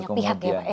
banyak pihak ya pak